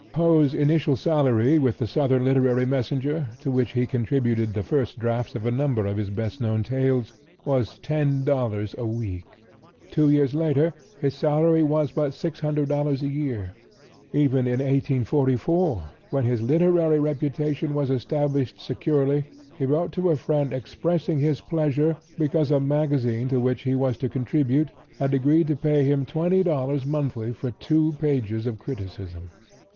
Poe's initial salary with the "Southern Literary Messenger," to which he contributed the first drafts of a number of his best known tales, was $10 a week! Two years later his salary was but $600 a year. Even in 1844, when his literary reputation was established securely, he wrote to a friend expressing his pleasure because a magazine to which he was to contribute had agreed to pay him $20 monthly for two pages of criticism.